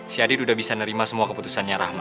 si adit udah bisa nerima semua keputusannya rahma